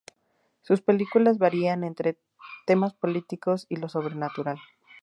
Sus películas varían entre temas políticos y lo sobrenatural.